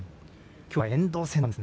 きょうは遠藤戦です。